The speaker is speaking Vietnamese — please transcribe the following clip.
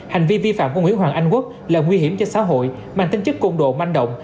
hành vi vi phạm của nguyễn hoàng anh quốc là nguy hiểm cho xã hội mang tính chất côn đồ manh động